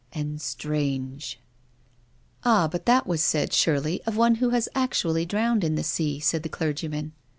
" And strange." " Ah, but that was said, surely, of one who was actually drowned in the sea," said the clergyman.